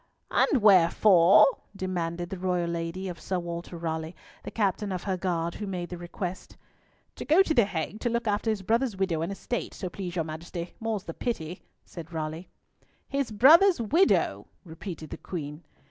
"And wherefore?" demanded the royal lady of Sir Walter Raleigh, the captain of her guard, who made the request. "To go to the Hague to look after his brother's widow and estate, so please your Majesty; more's the pity," said Raleigh. "His brother's widow?" repeated the Queen.